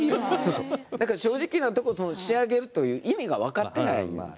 正直なところ仕上げるっていう意味が分かっていないんです